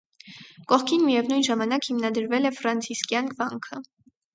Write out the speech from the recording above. Կողքին միևնույն ժամանակ հիմնադրվել է ֆրանցիսկյան վանքը։